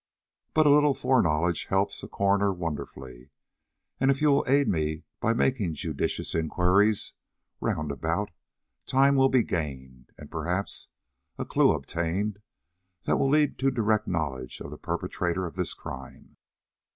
But a little foreknowledge helps a coroner wonderfully, and if you will aid me by making judicious inquiries round about, time will be gained, and, perhaps, a clue obtained that will lead to a direct knowledge of the perpetrator of this crime."